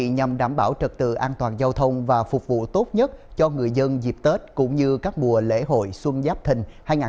nhằm đảm bảo trật tự an toàn giao thông và phục vụ tốt nhất cho người dân dịp tết cũng như các mùa lễ hội xuân giáp thình hai nghìn hai mươi bốn